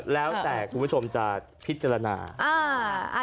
แล้วแต่คุณผู้ชมจะพิจารณา